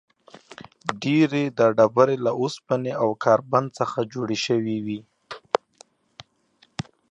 ډېری دا ډبرې له اوسپنې او کاربن څخه جوړې شوې وي.